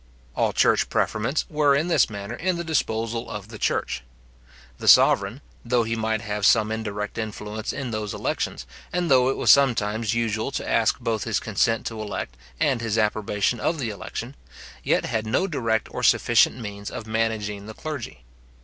All church preferments were in this manner in the disposal of the church. The sovereign, though he might have some indirect influence in those elections, and though it was sometimes usual to ask both his consent to elect, and his approbation of the election, yet had no direct or sufficient means of managing the clergy.